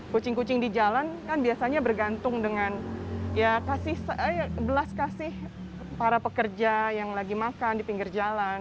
kucing kucing di jalan kan biasanya bergantung dengan ya belas kasih para pekerja yang lagi makan di pinggir jalan